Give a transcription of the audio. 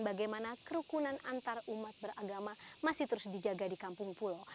bagaimana kerukunan antar umat beragama masih terus dijaga di kampung pulau